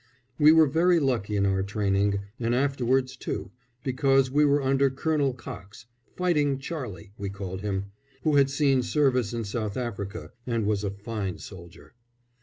We were very lucky in our training, and afterwards, too, because we were under Colonel Cox "Fighting Charlie," we called him who had seen service in South Africa, and was a fine soldier.